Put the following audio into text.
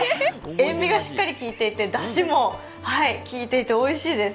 塩みがしっかりきいていて、だしもきいていておいしいです。